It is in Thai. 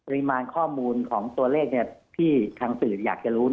มาข้อมูลของตัวเลขที่ทางสื่ออยากจะรู้